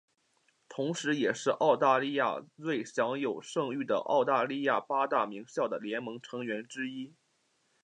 同时也是澳大利亚最享有盛誉的澳大利亚八大名校的联盟成员之一。